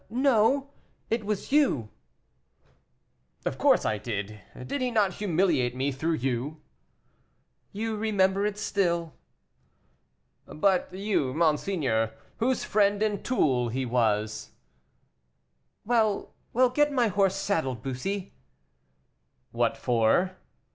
"No, it was you." "Of course I did; did he not humiliate me through you?" "You remember it still." "But you, monseigneur, whose friend and tool he was " "Well, well, get my horse saddled, Bussy." "What for?"